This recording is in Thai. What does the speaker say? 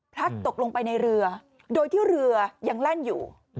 ตกลงไปในเรือโดยที่เรือยังแล่นอยู่